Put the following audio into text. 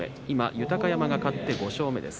今、豊山が勝って５勝目。